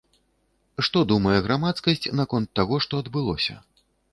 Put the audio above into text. Што думае грамадскасць наконт таго, што адбылося?